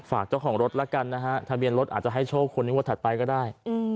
ฝากเจ้าของรถแล้วกันนะฮะทะเบียนรถอาจจะให้โชคคนในงวดถัดไปก็ได้